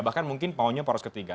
bahkan mungkin maunya poros ketiga